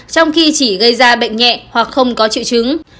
trong khi chỉ gây ra bệnh nhẹ hoặc không có triệu chứng